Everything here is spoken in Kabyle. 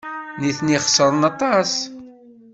Nitni xeṣren aṭas.